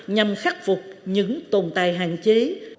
nhằm khắc phục những tồn tại hạn chế